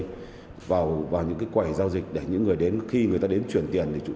chúng tôi đã giám những quầy giao dịch để những người đến khi người ta đến truyền tiền